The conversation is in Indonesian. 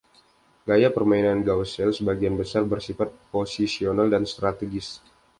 Gaya permainan Gausel sebagian besar bersifat posisional dan strategis.